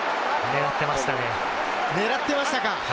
狙っていましたね。